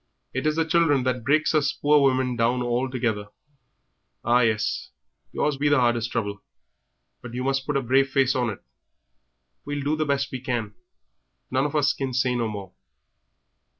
It is the children that breaks us poor women down altogether. Ah, well, yours be the hardest trouble, but you must put a brave face on it; we'll do the best we can; none of us can say no more."